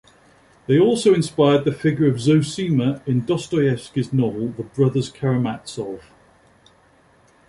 They also inspired the figure of Zosima in Dostoyevsky's novel "The Brothers Karamazov".